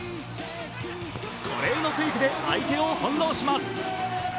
華麗なフェークで相手を翻弄します。